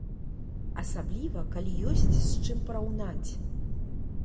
Асабліва калі ёсць з чым параўнаць.